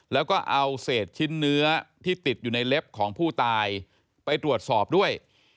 แล้วก็เอาเศษชิ้นเนื้อที่ติดอยู่ในเล็บของผู้ตายไปตรวจสอบด้วย